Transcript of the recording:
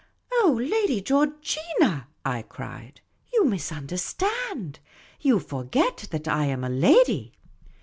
" Oh, Lady Georgina," I cried; " you misunderstand. You forget that I am a lady."